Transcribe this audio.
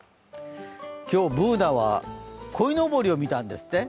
今日、Ｂｏｏｎａはこいのぼりを見たんですって。